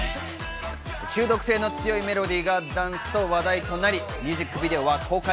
中毒性の強いメロディーがダンスと話題になり、ミュージックビデオは公開